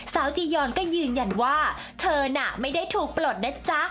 จียอนก็ยืนยันว่าเธอน่ะไม่ได้ถูกปลดนะจ๊ะ